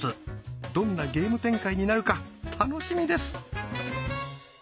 どんなゲーム展開になるか楽しみです。